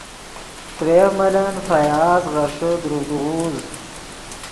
ترے یف ملن فیاض غیݰے دروڤدے غوز